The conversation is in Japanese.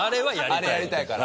あれやりたいから。